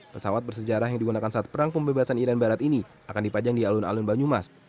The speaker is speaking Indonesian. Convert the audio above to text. pesawat bersejarah yang digunakan saat perang pembebasan iran barat ini akan dipajang di alun alun banyumas